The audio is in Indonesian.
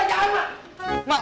lo jangan mak